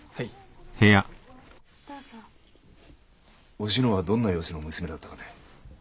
おしのはどんな様子の娘だったかね？